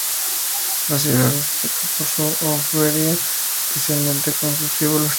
La ciudad destaca por su orfebrería especialmente con sus fíbulas.